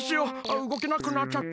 うごけなくなっちゃった。